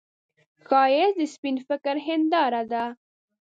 ښایست د سپين فکر هنداره ده